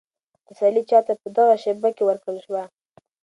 تسلي چا ته په دغه شېبه کې ورکړل شوه؟